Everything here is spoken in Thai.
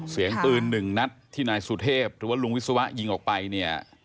เสียงปืนหนึ่งนัดที่นายสุเทพหรือว่าลุงวิศวะยิงออกไปเนี่ย